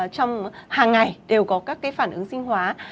trong hàng ngày đều có các cái phản ứng sinh hóa